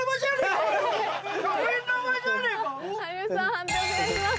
判定お願いします。